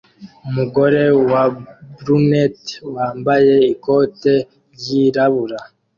Umugore wa brunette wambaye ikote ryirabura